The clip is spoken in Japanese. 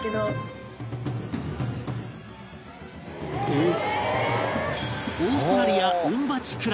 「えっ？」